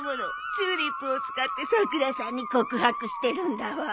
チューリップを使ってさくらさんに告白してるんだわ。